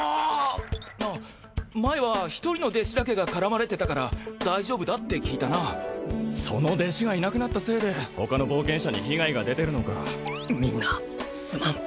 あっ前は一人の弟子だけが絡まれてたから大丈夫だって聞いたなその弟子がいなくなったせいで他の冒険者に被害が出てるのかみんなすまん・